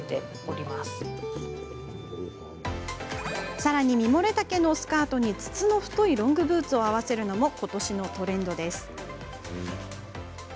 さらに、ミモレ丈のスカートに筒の太いロングブーツを合わせるのもことしのトレンドです。